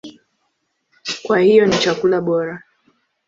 Kwa hiyo ni chakula bora.